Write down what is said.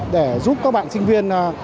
để giúp các bạn sinh viên